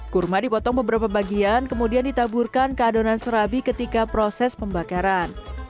kurma dipotong beberapa bagian kemudian ditaburkan ke adonan serabi ketika proses pembakaran